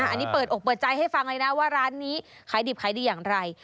อันนี้เปิดอกเปิดใจให้ฟังเลยนะว่าร้านนี้ขายดิบขายดีอย่างไร